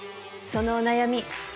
そのお悩み